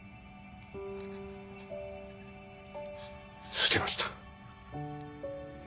捨てました。